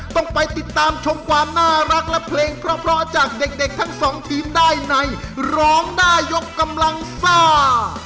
ต้องไปติดตามชมความน่ารักและเพลงเพราะจากเด็กทั้งสองทีมได้ในร้องได้ยกกำลังซ่า